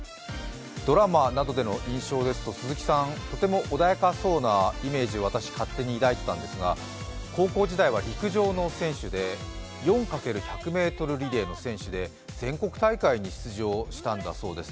ドラマなどでの印象ですと、鈴木さん、とても穏やかそうなイメージを私、勝手に抱いていたんですが高校時代は陸上の選手で４×１００ｍリレーの選手で全国大会に出場したんだそうです。